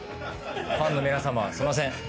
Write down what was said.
ファンの皆さますいません。